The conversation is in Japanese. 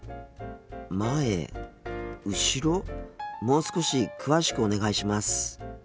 もう少し詳しくお願いします。